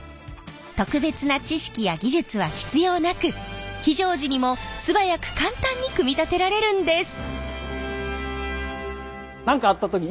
特別な知識や技術は必要なく非常時にも素早く簡単に組み立てられるんです。